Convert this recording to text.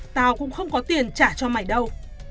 tao cũng không có tiền trả cho mày đâu